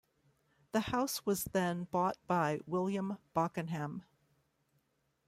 The house was then bought by William Bockenham.